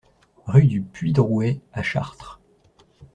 Rue du Puits Drouet à Chartres